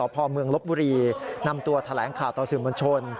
พอเมืองลบบุรีนำตัวแถลงข่าวต่อสื่อมวลชน